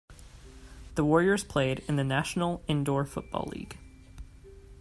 The Warriors played in the National Indoor Football League.